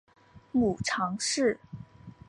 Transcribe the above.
母常氏。